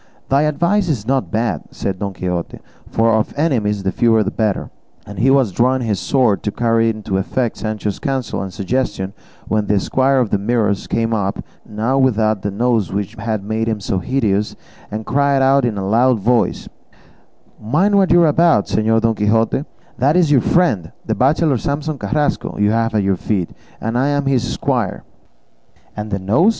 "Thy advice is not bad," said Don Quixote, "for of enemies the fewer the better;" and he was drawing his sword to carry into effect Sancho's counsel and suggestion, when the squire of the Mirrors came up, now without the nose which had made him so hideous, and cried out in a loud voice, "Mind what you are about, Señor Don Quixote; that is your friend, the bachelor Samson Carrasco, you have at your feet, and I am his squire." "And the nose?"